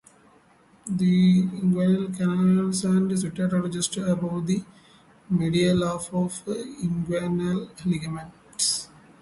The inguinal canals are situated just above the medial half of the inguinal ligament.